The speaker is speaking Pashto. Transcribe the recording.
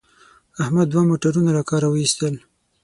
احمد دوه موټرونه له کاره و ایستل.